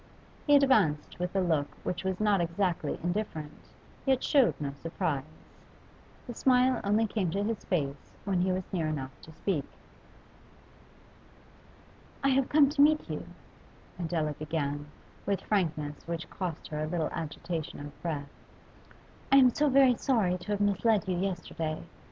He advanced with a look which was not exactly indifferent yet showed no surprise; the smile only came to his face when he was near enough to speak. 'I have come to meet you,' Adela began, with frankness which cost her a little agitation of breath. 'I am so very sorry to have misled you yesterday.